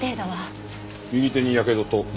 右手にやけどと裂創。